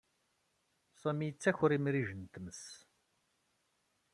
Sami yettaker imrigen n tmes.